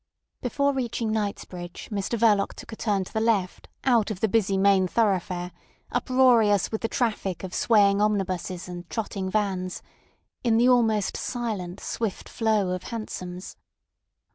Before reaching Knightsbridge, Mr Verloc took a turn to the left out of the busy main thoroughfare, uproarious with the traffic of swaying omnibuses and trotting vans, in the almost silent, swift flow of hansoms.